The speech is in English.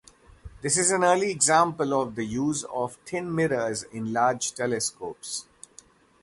This is an early example of the use of thin mirrors in large telescopes.